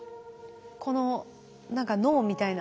この何か脳みたいな。